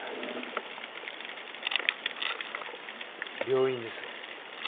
病院です。